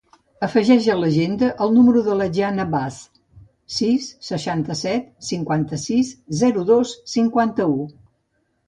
Afegeix a l'agenda el número de la Gianna Baz: sis, seixanta-set, cinquanta-sis, zero, dos, cinquanta-u.